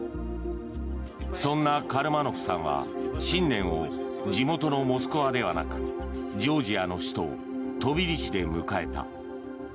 そんなカルマノフさんは新年を地元のモスクワではなくジョージアの首都トビリシで迎えた。